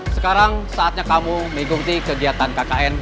sekarang saatnya kamu mengikuti kegiatan kkn